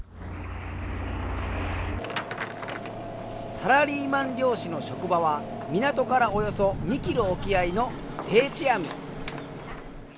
サラリーマン漁師の職場は港からおよそ２キロ沖合の定置網。